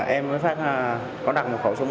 em mới phát là có đặt một khẩu súng